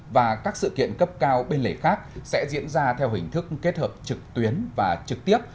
và các sự kiện cấp cao bên lề khác sẽ diễn ra theo hình thức kết hợp trực tuyến và trực tiếp